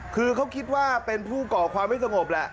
คือเขาคิดว่าเป็นผู้ก่อความไม่สงบแหละ